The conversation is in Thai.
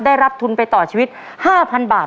ได้รับทุนไปต่อชีวิต๕๐๐๐บาท